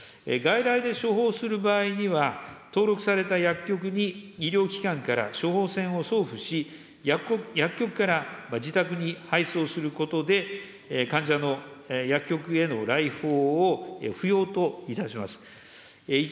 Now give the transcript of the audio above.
外来で処方する場合には、登録された薬局に医療機関から処方箋を送付し、薬局から自宅に配送することで、患者の薬局への来訪を不要といたします。